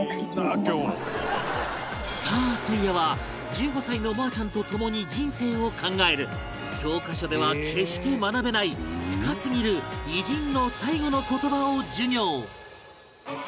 さあ今夜は１５歳の望亜ちゃんとともに人生を考える教科書では決して学べない深すぎる偉人の最期の言葉を授業